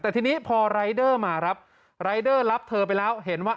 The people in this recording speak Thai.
แต่ทีนี้พอรายเดอร์มาครับรายเดอร์รับเธอไปแล้วเห็นว่า